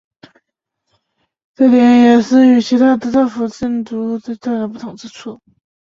这点也是与其他都道府县的煮物最大的不同之处。